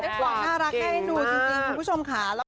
น่ารักให้ดูจริงคุณผู้ชมค่ะ